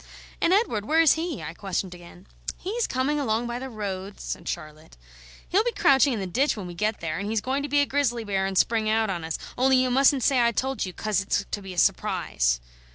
"And Edward, where is he?" I questioned again. "He's coming along by the road," said Charlotte. "He'll be crouching in the ditch when we get there, and he's going to be a grizzly bear and spring out on us, only you mustn't say I told you, 'cos it's to be a surprise."